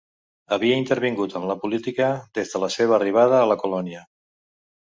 Havia intervingut en la política des de la seva arribada a la Colònia.